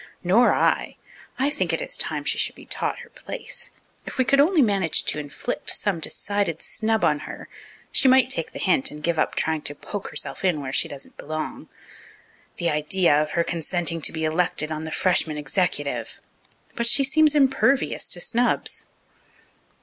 "Nor I. I think it is time she should be taught her place. If we could only manage to inflict some decided snub on her, she might take the hint and give up trying to poke herself in where she doesn't belong. The idea of her consenting to be elected on the freshmen executive! But she seems impervious to snubs."